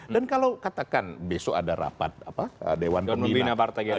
dan kalau katakan besok ada rapat dewan pertama gini